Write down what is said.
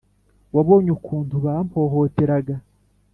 Wabonye ukuntu bampohoteraga,